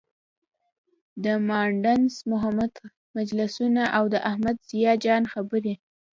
د مانډس محمد خان مجلسونه او د احمد ضیا جان خبرې.